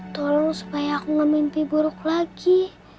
tolong supaya aku gak mimpi buruk lagi